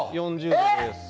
４０度です。